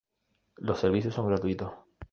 Los servicios son gratuitos.